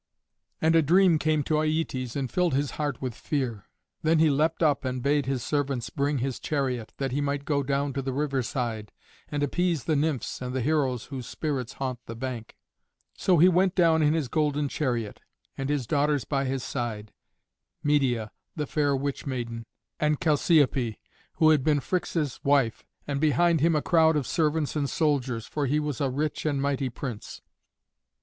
And a dream came to Aietes and filled his heart with fear. Then he leapt up and bade his servants bring his chariot, that he might go down to the river side, and appease the nymphs and the heroes whose spirits haunt the bank. So he went down in his golden chariot, and his daughters by his side, Medeia, the fair witch maiden, and Chalciope, who had been Phrixus' wife, and behind him a crowd of servants and soldiers, for he was a rich and mighty prince.